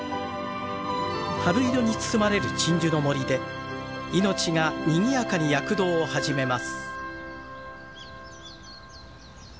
春色に包まれる鎮守の森で命がにぎやかに躍動を始めます。